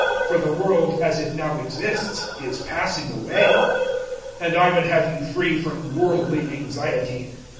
For the world as it now exists is passing away. 007:032 And I would have you free from worldly anxiety.